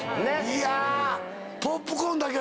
いや！